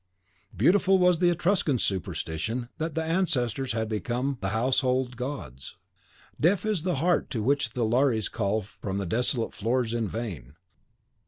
Beautiful was the Etruscan superstition that the ancestors become the household gods. Deaf is the heart to which the Lares call from the desolate floors in vain.